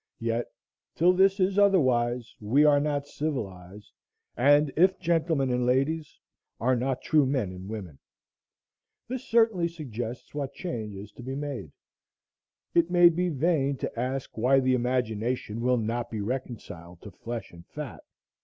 Yet till this is otherwise we are not civilized, and, if gentlemen and ladies, are not true men and women. This certainly suggests what change is to be made. It may be vain to ask why the imagination will not be reconciled to flesh and fat.